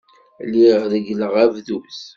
Lliɣ reggleɣ abduz.